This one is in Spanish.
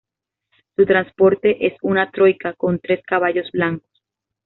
Su transporte es una troika, con tres caballos blancos.